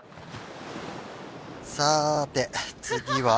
さーて次は。